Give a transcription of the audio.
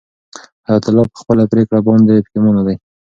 حیات الله په خپله پرېکړه باندې پښېمانه دی.